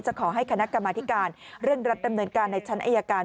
ขอให้คณะกรรมธิการเร่งรัดดำเนินการในชั้นอายการ